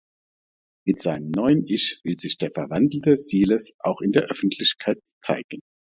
Mit seinem neuen Ich will sich der verwandelte Siles auch in der Öffentlichkeit zeigen.